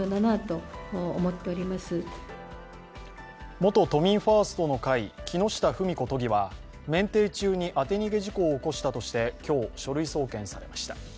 元都民ファーストの会木下富美子都議は免停中に当て逃げ事故を起こしたとして、今日書類送検されました。